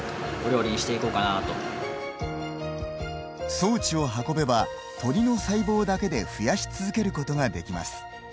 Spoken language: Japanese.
装置を運べばトリの細胞だけで増やし続けることができます。